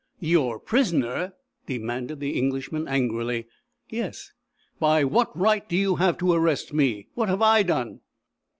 "Your prisoner?" demanded the Englishman angrily. "Yes." "By what right do you arrest me! What have I done?"